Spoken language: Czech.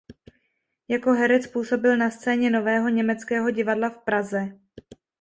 Jako herec působil na scéně Nového německého divadla v Praze.